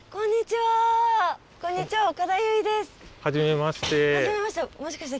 はじめまして。